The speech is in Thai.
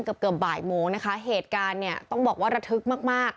เกือบเกือบบ่ายโมงนะคะเหตุการณ์เนี่ยต้องบอกว่าระทึกมากมาก